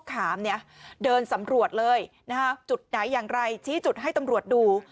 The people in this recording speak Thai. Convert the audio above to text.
โค้กขามเดินสำรวจเลยจุดไหนอย่างไรชี้จุดให้ตำรวจดู